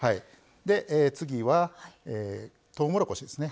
次はとうもろこしですね。